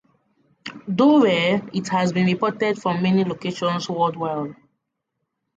Though rare it has been reported from many locations worldwide.